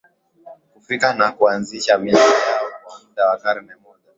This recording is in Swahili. kufika na kuanzisha milki yao kwa muda wa karne moja